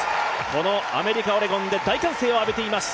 このアメリカ・オレゴンで大歓声を浴びています。